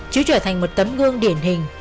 chứ trở thành một tấm gương điển hình